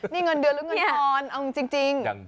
นี่เงินเดือนหรือเงินทอนเอาจริง